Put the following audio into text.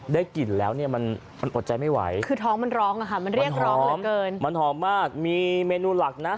ได้กลิ่นแล้วเนี่ยมันมันอดใจไม่ไหวคือท้องมันร้องอะค่ะมันเรียกร้องเหลือเกินมันหอมมากมีเมนูหลักนะ